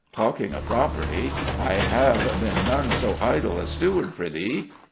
Talking of property, I have been none so idle a steward for thee.